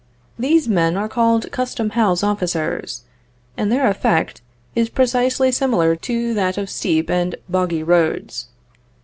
These men are called custom house officers, and their effect is precisely similar to that of steep and boggy roads.